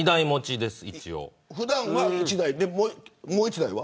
普段は１台、もう１台は。